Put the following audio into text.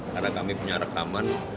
karena kami punya rekaman